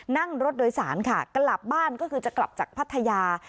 นั่งรถโดยสารค่ะกลับบ้านก็คือจะกลับจากพัทยา